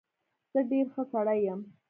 زه ډېر ښه سړى يم.